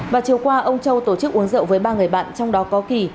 và chiều qua ông châu tổ chức uống rượu với ba người bạn trong đó có kỳ